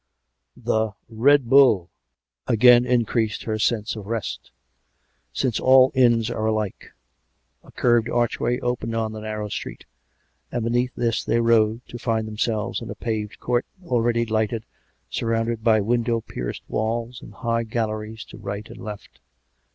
... The " Red Bull " again increased her sense of rest; since all inns are alike. A curved archway opened on the narrow street; and beneath this they rode, to find themselves in a paved court, already lighted, surrounded by window pierced walls, and high galleries to right and left.